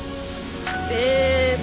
せの！